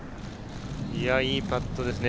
いいパットですね。